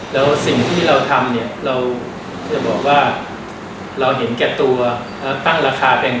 แล้วสิ่งที่เราทำบอกว่าเราเห็นแค่ตัวแล้วตั้งราคาแพง